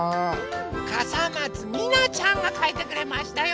かさまつみなちゃんがかいてくれましたよ。